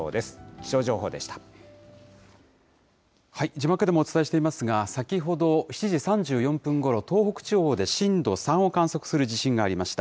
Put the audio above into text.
字幕でもお伝えしていますが、先ほど７時３４分ごろ、東北地方で震度３を観測する地震がありました。